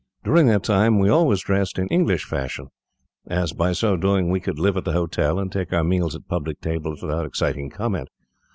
During that time, we always dressed in English fashion, as by so doing we could live at the hotel, and take our meals at public tables without exciting comment.